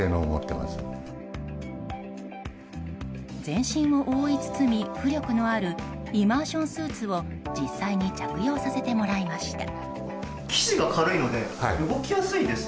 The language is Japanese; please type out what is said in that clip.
全身を覆い包み浮力のあるイマーションスーツを実際に着用させてもらいました。